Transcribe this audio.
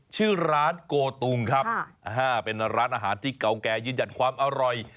ชื่อร้านโกตุงครับเป็นร้านอาหารที่เก่าแก่ยืนหยัดความอร่อย